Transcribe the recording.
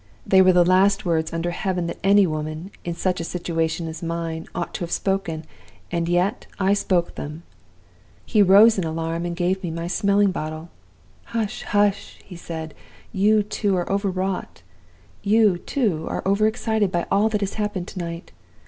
They were the last words under heaven that any woman, in such a situation as mine, ought to have spoken. And yet I spoke them! "He rose in alarm and gave me my smelling bottle. 'Hush! hush!' he said. 'You, too, are overwrought you, too, are overexcited by all that has happened to night.